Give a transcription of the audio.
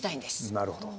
なるほど。